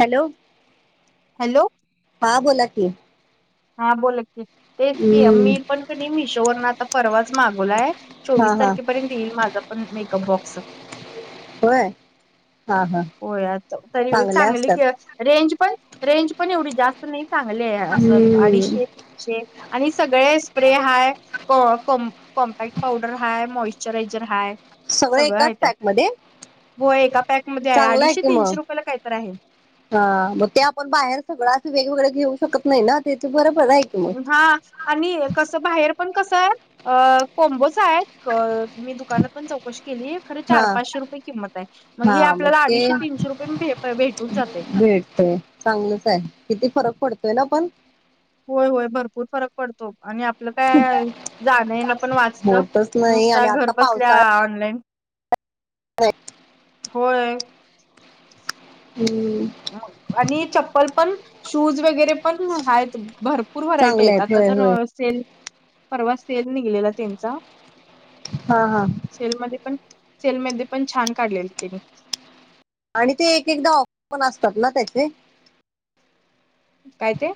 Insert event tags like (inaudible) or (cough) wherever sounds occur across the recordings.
Hello, hello, हा बोला की. हा बोला की, तेच की हम्म मी पण कणी मिशोवरन आता परवाच मागवलाय. हा चोवीस हा तारखेपर्यंत येईल माझं पण मेकअप बॉक्स. व्हय. व्हय आत, तरी बी चांगली असतात कि रेंज पण रेंज पण एवढी जास्त नाही चांगले. असं हम्म अडीचशे, तीनशे शे आणि सगळे स्प्रे हाय को कोम कॉम्पॅक्ट पावडर हाय, मॉइस्चरायझर हाय. सगळं एकाच आहे त्यात. पॅक मध्ये हो एका पॅक चांगलं आहे कि म. हा मग ते आपण बाहेर सगळं असं वेगवेगळं घेऊ शकत नाही ना, ते इथ बरबर आहे. की मग हा आणि कसं, बाहेर पण कसं य अ कोंबोच आहेत क मी दुकानात पण चौकशी केली. खरे हा चार पाचशे रुपये किंमत आहे. मग हा हे आपल्याला ते अडीचशे तीनशे रुपये भ भेटून जाते. भेटतय. चांगलंच आहे. किती फरक पडतोय ना पण. होय होय भरपूर फरक पडतो. आणि अप पलं काय जाणं येणं पण वाचतं. होतच नाही नुसत आणि घर आता बसल्या ऑनलाईन व्हय. होय. हं. मग, आणि चप्पल पण शूज वगैरे पण आहेत भरप पूर व्हरायटी चांगले आहेत. आता होय तर होय सेल परवा सेल निघलेला त्यांचा. हा हा. सेलमध्ये पण सेलमध्ये पण छान काढलेली त्यांनी आणि ते एक एकदा ऑफ पण असतात ना त्याचे काय ते?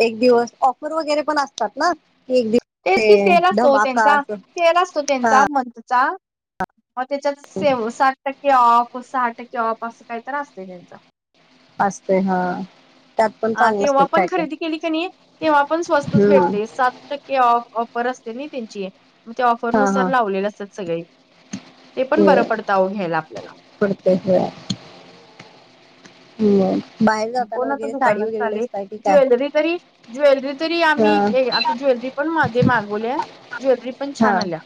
एक दिवस ऑफर वगैरे पण असतात ना. की एक दिवस तेच की ते सेल असतो, धमाका त्यांचा असं सेल असतो, त्यांचा मंथचा मग त्याच्यात सेव्ह साठ टक्के ऑफ सहा टक्के ऑफ, असं काही तर असतय त्यांच आसतय हा. त्यात पण आ चांगलं तेव्हा असतात पण काय काय खरेदी केली क नी, तेव्हा पण स्वस्तच हम्म भेटतय सात टक्के ऑफ ऑफर असते नी त्यांची मग ते हा ऑफरनुसार हा लावलेले असत्यात सगळे, ते पण बरं पडतं आओ घ्यायला आपल्याला कश्या आहात? निवांत. कोण आता दुकानात चाललय, की काय ज्वेलरी तरी ज्वेलरी तरी आम्ही हा आता ज्वेलरी पण मध्ये मागवलीया ज्वेलरी पण छान हा आलीया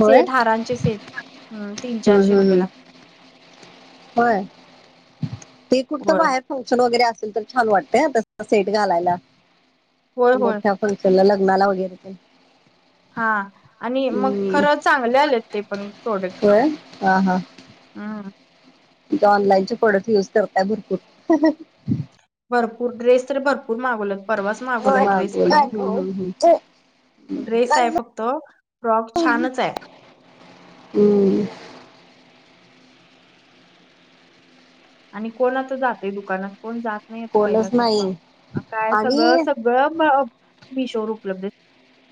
होय सेट हारांचे सेट तीन हम्म चारशे हम्म हम्म रुपयला होय ते कुठतंर होय बाहेर फंक्शन वगैरे असेल तर छान वाटतय हा तस, सेट घालायला होय होय मोठ्या फंक्शनला, लग्नाला वगैरे काई हा आणि मग हम्म खरं चांगले आलेत, ते पण प्रोडक्ट होय हा हा. आम. इथ ऑनलाईनचे प्रोडक्ट युज करतायत भरपूर भरपूर ड्रेस तर भरपूर मागवल्यात परवाच मागवलाय ड्रेस मागवलं पण हम्म हम्म ड्रेस हम्म हाय फक्त फ्रॉक छानच हाय. हुं. आणि कोण आता जातय दुकानात? कोण जात नाही आता कोणच नाही पहिल्यासारखं? काय सगळं आणि सग (unintelligible) मिशो वर उपलब्ध हाईत.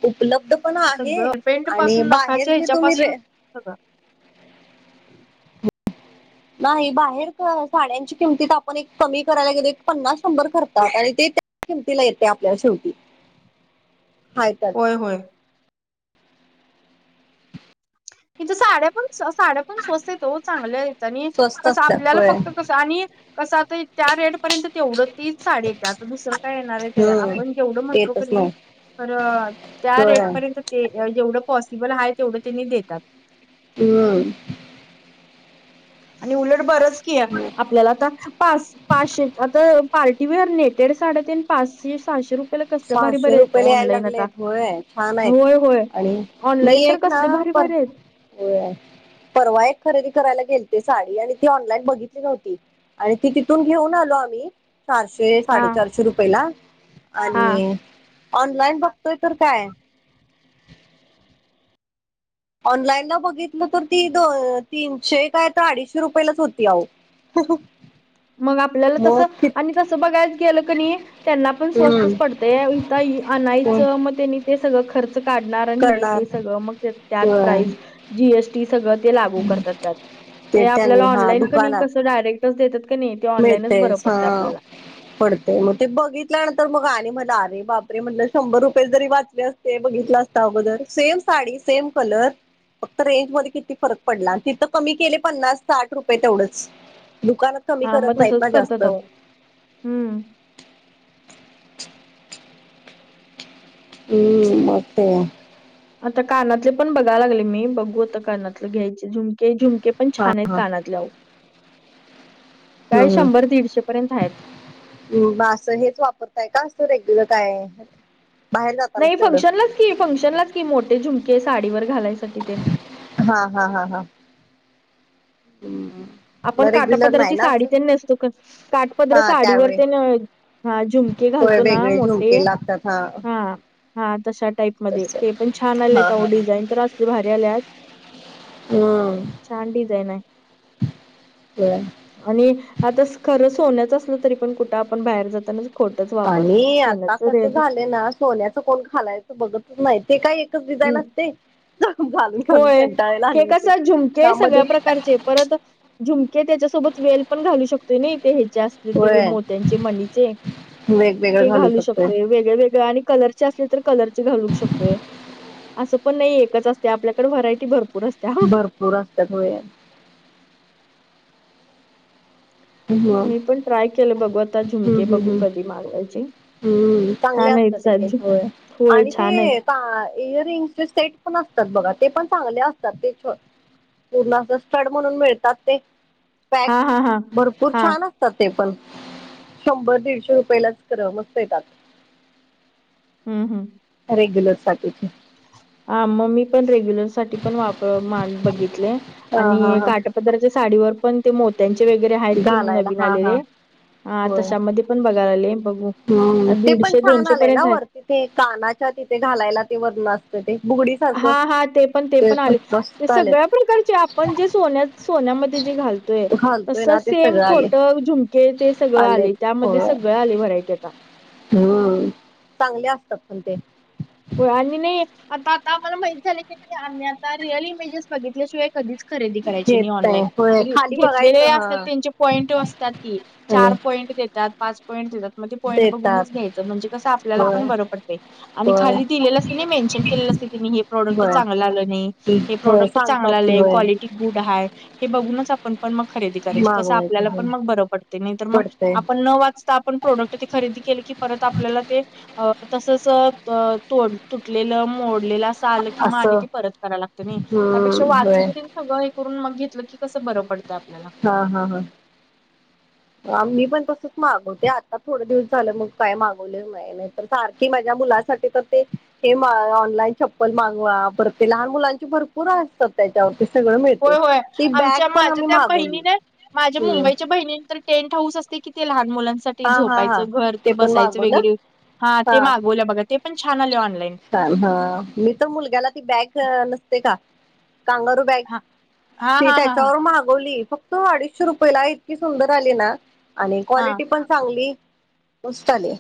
उपलब्ध पण आहे आणि बाहेर जे तुम्ही रे हो का? नाही बाहेर साड्यांची किमतीत आपण एक कमी करायला गेलो, पन्नास शंभर करतात आणि ते त्या किंमतीला येतय आपल्याला शेवटी हाय त्या ते होय. इथ साड्या पण साड्या पण सोस्त आहेत ओ, चांगल्या आहेत आणि स्वस्त कसं असतात आपल्याला होय फक्त कसं आणि कसं आता त्या रेटपर्यंत तेवढं तीच साडी येतीया आता दुसरं काय येणार आहे ते हम्म पण जेवढं म्हणतो का नाही? तर त्या होय रेटपर्यंत ते जेवढं पॉसिबल आहे तेवढं त्यांनी देतात. तेच म्हण आणि उलट बरच की आहे, आपल्याला आता पास पाचशे आग पार्टी वेअर नेटेड साड्या तेन पाचशे, सहाशे रुपये. तेला कसल्या भारी भारी सहाशे हाइत बर रुपयेला यायला ऑनलाईन आता, लागलेत होय छान आहेत होय होय आणि ऑनलाईन तर कसल्या भारी भारी आहेत? व्हय परवा एक खरेदी करायला गेलते, साडी आणि ती ऑनलाईन बघितली नव्हती आणि ती तिथून घेऊन आलो, आम्ही चारशे हा साडेचारशे रुपयेला हा नी ऑनलाईन बघतोय तर काय? ऑनलाईन ला बघितलं तर ती, दो तीनशे काय तर अडीचशे रुपयेलाच होती आओ (inaudible) मग आपल्याला तस आणि तसं बघायच गेलं क नी त्यांना पण हम्म, स्वस्तच पडतंय, इथ हम्म, आणायचं मग त्यांनी ते सगळं खर्च तेचं काढणार आणि हे करणार ते सगळं मग त्यात होय. प्राईज जीएसटी सगळं ते लागू करतात त्यात ते त्यांनी आपल्याला हा ऑनलाईन कणी कसं डायरेक्ट देतात क नाही ते ऑनलाईनच बरं मिळतेस हा पडतं आपल्याला. पडते मग ते बघितल्यानंतर मग आणि म्हणलं अरे बापरे म्हणलं शंभर रुपये जरी वाचले असते ते बघितलं असता अगोदर सेम साडी सेम कलर फक्त रेंज मध्ये किती फरक पडला आणि तिथं कमी केले पन्नास साठ रुपये तेवढंच दुकानात कमी हा करत मग नाहीत तसंच ना जास्त करतात अहो हम्म हम्म मत आता कानातले पण बघायला लागले मी बघूत कानातलं घ्यायचे झुमके झुमके पण हा छान आहेत कानात लाऊ काय शंभर दीडशे पर्यंत आहेत बा असं हेच वापरताय का असं रेग्युलर काय बाहेर जातानाच नाही तेवढं फंक्शनलाच की फंक्शनलाच की मोठे झुमके साडीवर घालायसाठी तेन हा हा हा हा हम् आपण काटापदराची साडी ते नेसतो का काटपदर हा साडीवर त्यावेळी तेन हा झुमके होय घालतो ना वेगळे मोठे झुमके लागतात हा हा तशा टाईप मध्ये तस ते पण छान हा आलेयत अवो डिझाईन तर असले भारी आल्यात हम छान डिझाईन आहे ब आणि आता खर सोन्याच असलं तरी पण कुठं आपण बाहेर जातानाच आणि आता कसं झालंय ना सोन्याचं कोण घालायचं बघतच नाही ते काही एकच डिझाईन हम्म असते घालून घालून होय कंटाळायला हे आले होते कसं झुमके त्यामध्ये सगळ्या प्रकारचे परत झुमके त्याच्यासोबत वेल पण घालू शकतोय नाई तेे हेची जास्त होय मोत्यांचे मणीचे ते घालू शकतोय वेगळ वेगळ आणि कलर असल तर कलर ची घालू शकतो अस पण नाही एकच असते आपल्याकडे व्हरायटी भरपूर असत्या भरपूर अस्त्यात होय हम्म मी पण ट्राय केलं बघू आता झुमके हम्म बघू कधी मागवायचे हम्म चांगले छान आहेत असतात एक साजू एक होय होय आणि छान आहेत. ते का - इयर रिंगचे सेट पण असतात बघा ते पण चांगले असतात ते पूर्ण अस स्टड म्हणून मिळतात ते पॅक हा हा हा भरपूर हा छान असतात ते पण शंभर दीडशे रुपयेलाच खर मस्त येतात हम् हम् रेग्युलर साठीचे हा मग मी पण रेग्युलर साठी पण वापर बघितले हा हा आणि हा काठ- काठ पदरच्या साडीवर पण ते मोत्यांचे वगैरे आहेत कि घालायला नवीन हा हा आलेले हा तश्यामध्ये- पण बघायले बघू - हा ते पण छान आलंय ना वर- तिथे कानाच्या तिथे घालायला ते वरन असत ते बुगडी- हा सारखं हा ते पण ते पण आले ते सगळ्या प्रकारचे आपण जे सोन्या सोन्यामध्ये जे घाल तो घालतोय ना तसच ते सेम सगळं आले खोटं झुमके ते सगळं आलेत आले त्यामध्ये सगळं आले व्हरायटी आता- हम्म चांगले असतात पण ते आणि नाही आता आता आम्हाला माहित झालंय कणी आम्ही आता रिअल इमेजेस बघितल्याशिवाय कधीच- खरेदी करायची नाही घेत ऑनलाईन होय - खाली घेतलेले बघायचं हा असतात त्यांचे पॉईंट असतात की चार आणि पॉईंट देत- त्यात पाच पॉईंट देतात मग ते पॉईंट बघूनच देतात घ्यायचं म्हणजे कसं आपल्याला पण होय बरं पडतये आणि- होय खाली दिलेलं असंते नाही मेन्शन केलेलं असं तिने हे प्रॉडक्ट होय चांगलं आलं नाही- हे होय प्रोडक्ट सांगतात चांगला ते आलाय होय क्वालिटी गुड हाय हे बघूनच आपण- आपण पण मग खरेदी करायची कस मागवायचं आपल्याला होय पण मग बरं पडते नाही तर मग पडतंय आपण न वाचता आपण प्रोडक्ट- खरेदी केलं की परत आपल्याला ते तसच त तोड तुटलेलं- मोडलेल असं आलं कि मग आणि असं ते परत करायला लागत नही त्यापेक्षा हम्म होय वाचुन ते- सगळं हे करून मग घेतलं की कसं बरं पडतं आपल्याला- हा... हा.. हा... मी पण तसच मागवते आता थोडं दिवस झालं मग काय मागवलेल नाही. नाही (unintelligible) माझ्या मुलासाठी तर ते- हे मा.., ऑनलाईन चप्पल मागवा परत ते लहान मुलांचे भरपूर असतात. त्याच्यावरती सगळ मिळते, होय होय ती बॅग आमच्या पण माझ्या आम्ही त्या मागवली. बहिणीने माझ्या मुंबईच्या बहिणीने तर... टेंट हाऊस असते कि ते लहान मुलांसाठी- ते हा हा हा झोपायचं घर ते पण बसायचं मागवलं वगैरे हा ते मागवलं बघा ते पण छान आलय ऑनलाईन. छान ह मी तर मुलग्याला ती बॅग नसते का कांगारू- हा हा ती हा हा हा त्याच्यावरून मागवली फ... क्त अडीचशे रुपये ला इतकी सुंदर आली ना आणि हा क्वालिटी पण चांगली- पाऊस चालुये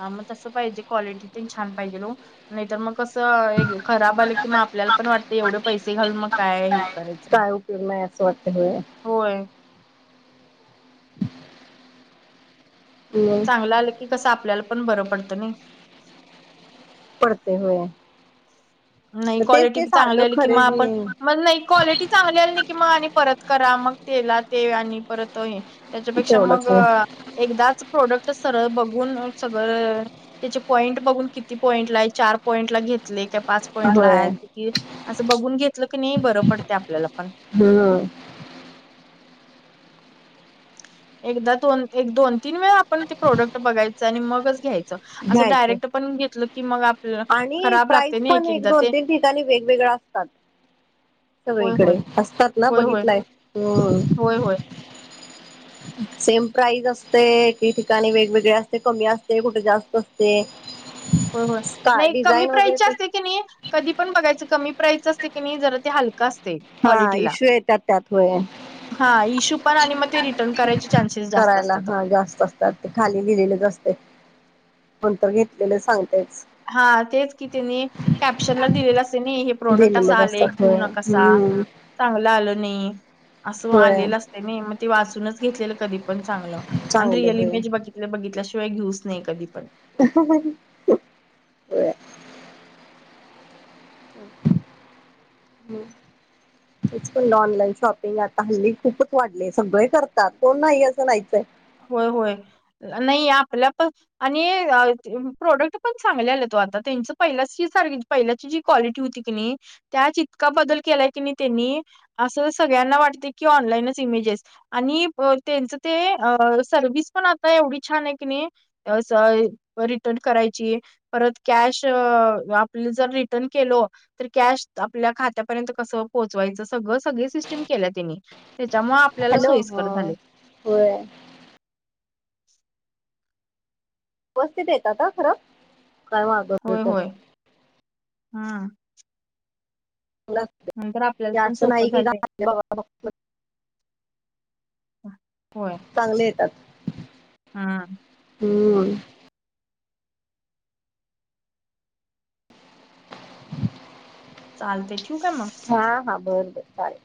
हा म तसं पाहिजे क्वालिटी ते छान पाहिजेल ओ नाही तर मग कस- त खराब आल की मग आपल्याला पण वाटत एवढे पैसे घालून मग काय हे करायचं मग- तुलाय असं वाटत हो... होय.... होय चांगलं आलं की कसं आपल्याला पण बरं पडतं नाही- पङतं हो... नाही क्वालिटी बी चांगली सारखं आली कि मग खरेदी आपण मग नाही क्वालिटी... ती चांगली आली नाही कि मग आणि परत करा मग तेला ते आणि परत हे- त्याच्यापेक्षा मग तेवढंच एकदाच प्रोडक्ट सरळ बघून सगळं- त्याचे पॉईंट बघून किती पॉईंट ला चार पॉईंट ला घेतले का- पाच पॉईंटला होय आहे की असं बघून घेतलं की नाही बरं पडते आपल्याला पण. हम्... एकदा दोन एक दोन तीन वेळा आपण ते प्रोडक्ट बघायचं आणि मगच घ्यायचं. असं घ्यायचं डायरेक्ट आपण घेतलं की मग आपल्याला खराब लागते ना एक एकदा ते- काणी वेगवेगळे असतात होय सगळीकडे होय असतात ना होय होय बघितलाय हम्म होय होय... सेम प्राईज असते काही ठिकाणी वेगवेगळे असते कमी असते कुठे जास्त असते. हो हो का नाही कमी डिझाईन वगैरे प्राईजचे ते असते की नाही कधीपण बघायचं कमी प्राईजचं असते की नाही जरा ते हल. क असतय हा क्वालिटीला इश्यू येतात त्यात होय हा इश्यू पण आणि मग ते रिटर्न करायचे चान्सेस जास्त करायला असतात हा आपले. जास्त असतात ते खाली लिहिलेलेच असते पणं ते घेतलेले सांगतेच हा तेच की त्यांनी कॅप्शन ला दिलेलं असते ना हे प्रोडक्ट असा दिलेलेच आले असतात घेऊ होय नकासा. हम्म चांगलं आल नाही. असं होय आलेलं असतय नाही मग ते वाचूनच घेतलेलं कधी पण चांगलं आणि चांगले रिअल होय इमेज बघित बघितल्याशिवाय घेऊच नाही कधी पण. (unintelligible) (unintelligible) हम् ह (unintelligible) तेच म्हणलं ऑनलाईन शॉपिंग आता हल्ली खूपच वाढले सगळे करतात कोण नाही असं नाहीचंय. होय होय नाही आपल्या पण- आणि प्रोडक्ट पण चांगले आलेत ओ आता त्यांच पहिल्याची सार पहिल्याची जी क्वालिटी होती की नाही- त्यात इतका बदल केलाय की नाही त्यांनी असं सगळ्यांना वाटते की ऑनलाईनच इमेजेस आणि त्यांचं ते सर्विस पण आता एवढी छान आहे की नाही- रिटर्न करायची परत कॅश आपली जर रिटर्न केलो तर कॅश आपल्या खात्यापर्यंत कस पोहोचवायचं सगळं सगळी सिस्टीम केल्या त्यांनी. त्याच्यामुळे आपल्याला हॅलो ह सोयीस्कर झाले. होय. (inaudible) व्यवस्थित येतात हं खर काय वाग तर हां. तर नंतर आपल्याला पण असं सोपं नाही की झालंय. घातले बाबा होय. चांगले येतात. हम. हुं. चालतय ठेऊ काय मग? हां हां बर बर चालेल.